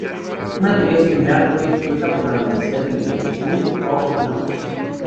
Una teoría similar fue expuesta por la Universidad de Liverpool Paul Knox.